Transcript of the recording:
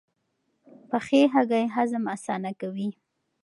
پخې هګۍ هضم اسانه کوي.